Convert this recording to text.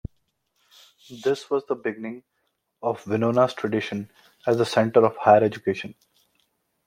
This was the beginning of Winona's tradition as a center of higher education.